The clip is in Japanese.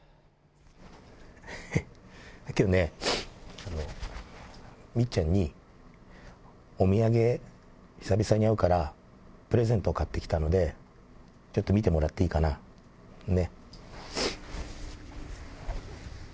きょうね、みっちゃんにお土産、久々に会うから、プレゼントを買ってきたので、ちょっと見てもらっていいかな、ね。